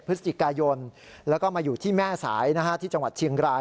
พฤศจิกายนแล้วก็มาอยู่ที่แม่สายที่จังหวัดเชียงราย